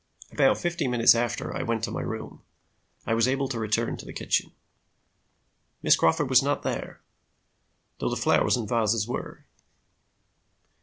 About fifteen minutes after I went to my room, I was able to return to the kitchen. Miss Crawford was not there, though the flowers and vases were.